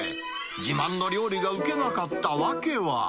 自慢の料理が受けなかった訳は。